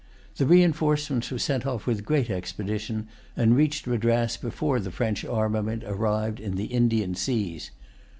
The reinforcements were sent off with great expedition, and reached Madras before the French armament arrived in the Indian seas.